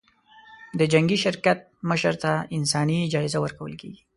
د جنګي شرکت مشر ته انساني جایزه ورکول کېږي.